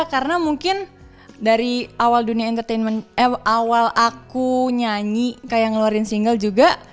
karena mungkin dari awal dunia entertainment eh awal aku nyanyi kayak ngeluarin single juga